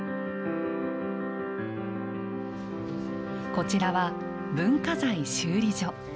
こちらは文化財修理所。